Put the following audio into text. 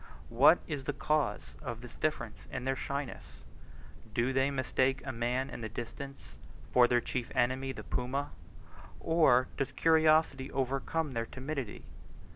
What is the cause of this difference in their shyness? Do they mistake a man in the distance for their chief enemy the puma? Or does curiosity overcome their timidity?